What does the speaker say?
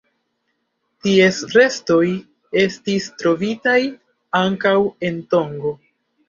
Ties restoj estis trovitaj ankaŭ en Tongo.